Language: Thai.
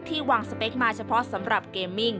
วางสเปคมาเฉพาะสำหรับเกมมิ่ง